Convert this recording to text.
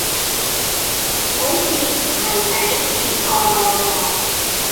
好似唔係第一次個囉喎